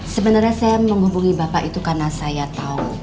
sebenarnya saya menghubungi bapak itu karena saya tahu